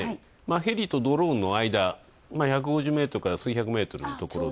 ヘリとドローンの間、１５０ｍから数百メートルのところ。